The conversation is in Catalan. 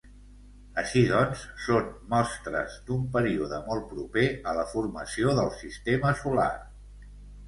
Així doncs, són mostres d'un període molt proper a la formació del sistema solar.